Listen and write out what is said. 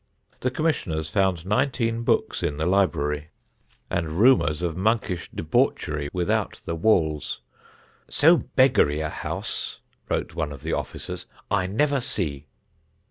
The Commissioners found nineteen books in the library, and rumours of monkish debauchery without the walls. "So beggary a house," wrote one of the officers, "I never see."